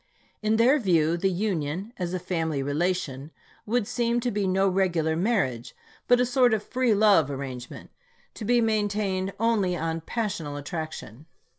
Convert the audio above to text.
In then view, the Union, as a family relation, would seem to be no regular marriage, but a sort of " free love " arrangement, to be maintained only on SPEINGFIELD TO WASHINGTON 295 "passional attraction."